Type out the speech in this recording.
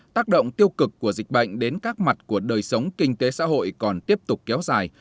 tác động tiêu cực của dịch bệnh đến các mặt của đời sống kinh tế xã hội còn tiếp tục kéo dài